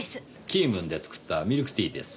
キームンで作ったミルクティーです。